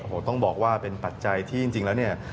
ผมต้องบอกว่าเป็นปัจจัยที่จริงแล้วนี้